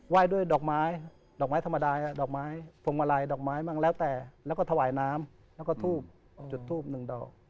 ยด้วยดอกไม้ดอกไม้ธรรมดาดอกไม้พวงมาลัยดอกไม้บ้างแล้วแต่แล้วก็ถวายน้ำแล้วก็ทูบจุดทูบหนึ่งดอก